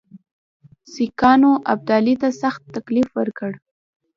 سیکهانو ابدالي ته سخت تکلیف ورکړ.